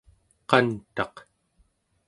qantaq